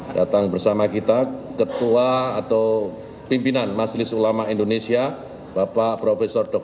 datang bersama kita ketua atau pimpinan majelis ulama indonesia bapak profesor dr